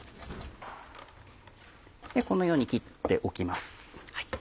このように切っておきます。